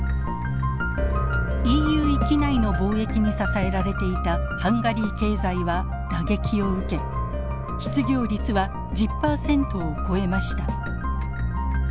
ＥＵ域内の貿易に支えられていたハンガリー経済は打撃を受け失業率は１０％を超えました。